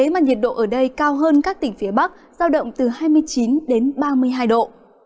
nhiệt độ ở đây cao hơn các tỉnh phía bắc giao động từ hai mươi chín đến ba mươi hai độ